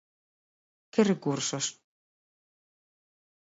¿Que recursos?